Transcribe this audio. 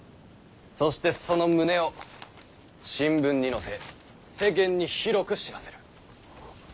そしてその旨を新聞に載せ世間に広く報せる。